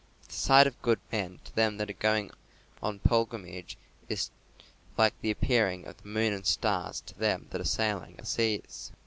For the sight of good men to them that are going on pilgrimage is like to the appearing of the moon and stars to them that are sailing upon the seas."